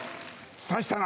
指したな？